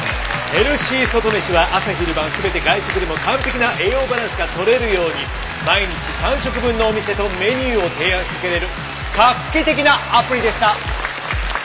「ヘルシー・ソトメシ」は朝昼晩全て外食でも完璧な栄養バランスが取れるように毎日３食分のお店とメニューを提案してくれる画期的なアプリでした。